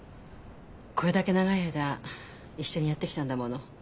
これだけ長い間一緒にやってきたんだもの。